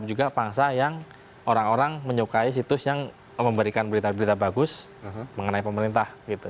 jadi juga pangsanya orang orang menyukai situs yang memberikan berita berita bagus mengenai pemerintah gitu